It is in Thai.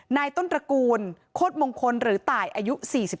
นายต้นตระกูลโคตรมงคลหรือตายอายุ๔๒